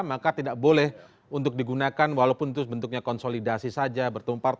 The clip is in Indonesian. maka tidak boleh untuk digunakan walaupun itu bentuknya konsolidasi saja bertumpar